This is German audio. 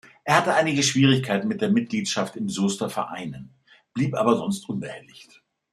Er hatte einige Schwierigkeiten mit der Mitgliedschaft in Soester Vereinen, blieb aber sonst unbehelligt.